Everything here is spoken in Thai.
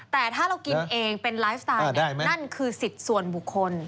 แต่ถ้าเรากินเองเป็นไลฟ์สไตล์นั่นคือสิทธิ์ส่วนบุคคล